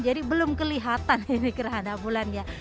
jadi belum kelihatan ini kerana bulannya